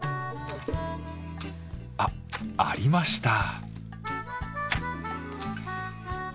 あっありました。